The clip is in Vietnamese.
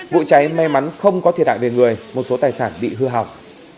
vụ cháy may mắn không có thiệt hại về người một số tài sản bị hư hỏng